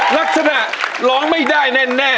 ลักษณะร้องไม่ได้แน่